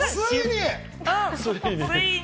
ついに！